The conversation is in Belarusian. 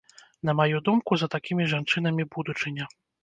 На маю думку, за такімі жанчынамі будучыня.